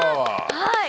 はい。